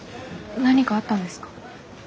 何かあったんですか？